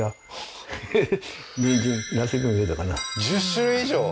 １０種類以上？